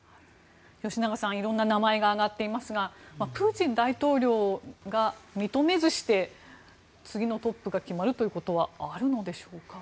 吉永さん色んな名前が挙がっていますがプーチン大統領が認めずして次のトップが決まるということはあるのでしょうか。